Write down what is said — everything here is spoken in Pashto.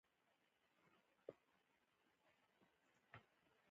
منډې د لوبي ګټلو له پاره مهمي دي.